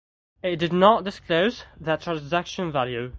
It did not disclose the transaction value.